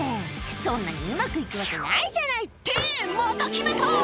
そんなにうまくいくわけないじゃない、って、また決めた！